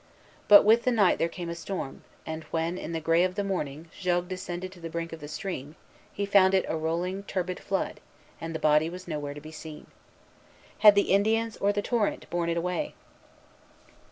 But with the night there came a storm; and when, in the gray of the morning, Jogues descended to the brink of the stream, he found it a rolling, turbid flood, and the body was nowhere to be seen. Had the Indians or the torrent borne it away?